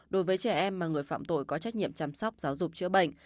đối với trẻ em mà người phạm tội có trách nhiệm chăm sóc giáo dục chữa bệnh